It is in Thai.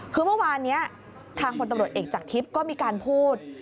คือเมื่อวานนี้ทางพลตำรวจเอกจากทิพย์ก็มีการพูด